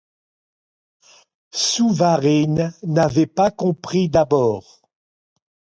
Souvarine n'avait pas compris d'abord.